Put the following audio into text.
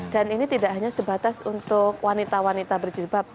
dan ini tidak hanya sebatas untuk wanita wanita berjilbab